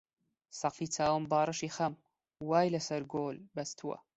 سەقفی چاوم باڕشی خەم وای لە سەر گۆل بەستووە